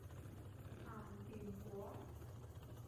鹹甜粿